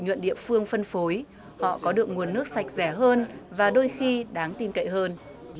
nhuận địa phương phân phối họ có được nguồn nước sạch rẻ hơn và đôi khi đáng tin cậy hơn